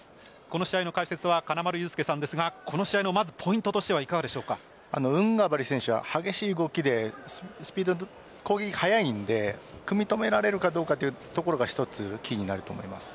この試合の解説は金丸雄介さんですがこの試合のまずポイントとしてはウングバリ選手は激しい動きでスピード、攻撃、速いので組み止められるかどうかというところが一つキーになると思います。